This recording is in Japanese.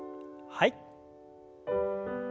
はい。